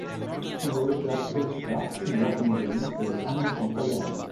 Simboleggia "velocità", "vivace ingegno" e "animo pronto alle armi".